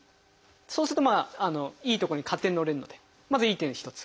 そうするとまあいい所に勝手にのれるのでまずいい点一つ。